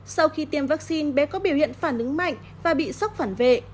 sau khi tiêm vaccine bé có biểu hiện phản ứng mạnh và bị sốc phản vệ